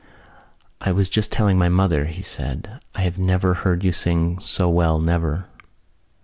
"I was just telling my mother," he said, "I never heard you sing so well, never.